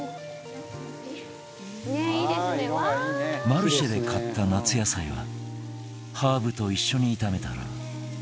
マルシェで買った夏野菜はハーブと一緒に炒めたら